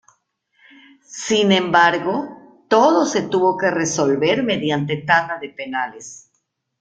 Sin embargo, todo se tuvo que resolver mediante tanda de penales.